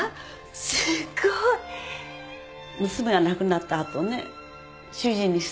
すごい。娘が亡くなった後ね主人に勧められて。